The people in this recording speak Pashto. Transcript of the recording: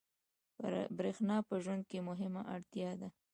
برېښنا په ژوند کې مهمه اړتیا ده.